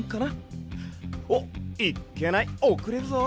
おっいっけないおくれるぞ！